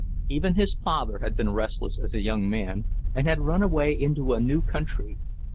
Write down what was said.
Even his father had been restless as a young man, and had run away into a new country.